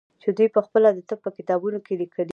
چې دوى پخپله د طب په کتابونو کښې ليکلي.